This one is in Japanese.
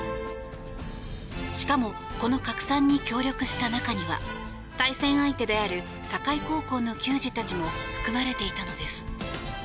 しかもこの拡散に協力した中には対戦相手である境高校の球児たちも含まれていたのです。